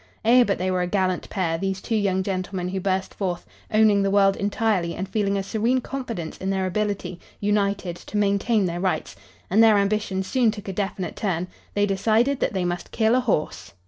Eh! but they were a gallant pair, these two young gentlemen who burst forth, owning the world entirely and feeling a serene confidence in their ability, united, to maintain their rights. And their ambitions soon took a definite turn. They decided that they must kill a horse!